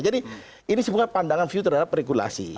jadi ini bukan pandangan view terhadap regulasi